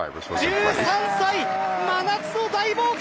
１３歳、真夏の大冒険！